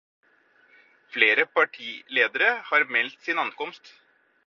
Flere partiledere har meldt sin ankomst.